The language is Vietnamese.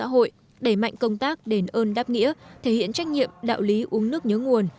hội đẩy mạnh công tác đền ơn đáp nghĩa thể hiện trách nhiệm đạo lý uống nước nhớ nguồn